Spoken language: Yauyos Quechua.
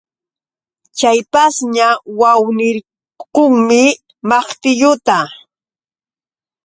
Chay pashña awnirqunmi maqtilluta.